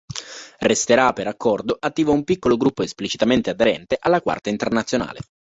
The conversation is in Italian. Resterà, per accordo, attivo un piccolo gruppo esplicitamente aderente alla Quarta Internazionale.